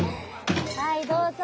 はいどうぞ。